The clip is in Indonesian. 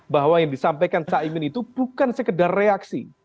bahwa yang disampaikan caimin itu bukan sekedar reaksi